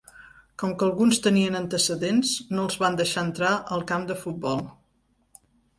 Com que alguns tenien antecedents, no els van deixar entrar al camp de futbol.